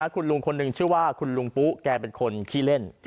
คุณลุงคนหนึ่งชื่อว่าคุณลุงปุ๊แกเป็นคนขี้เล่น